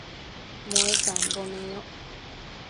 muesambo neyoc